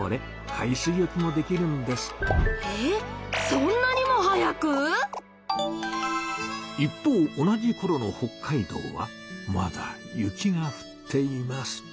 そんなにも早く⁉一方同じころの北海道はまだ雪がふっています。